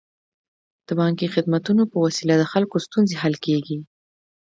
د بانکي خدمتونو په وسیله د خلکو ستونزې حل کیږي.